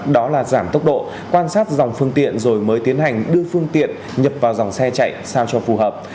đó là giảm tốc độ quan sát dòng phương tiện rồi mới tiến hành đưa phương tiện nhập vào dòng xe chạy sao cho phù hợp